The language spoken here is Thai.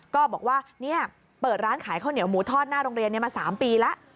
ก็บอกว่าเปิดร้านขายข้าวเหนียวหมูทอดหน้าโรงเรียนมา๓ปีแล้ว